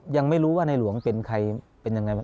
ยังไม่รู้ว่าในหลวงเป็นใครเป็นยังไง